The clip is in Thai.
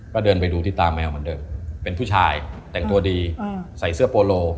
ก็เดินไปดูที่ตาแมวเหมือนเดิมเป็นผู้ชายแต่งตัวดีใส่เสื้อโปโล